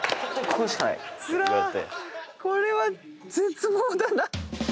これは絶望だな。